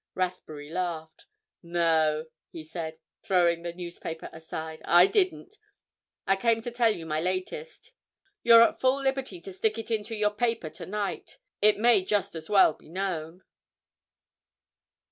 Rathbury laughed. "No," he said, throwing the newspaper aside, "I didn't. I came to tell you my latest. You're at full liberty to stick it into your paper tonight: it may just as well be known."